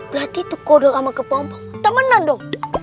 berarti tuh kodok sama kepompong temenan dong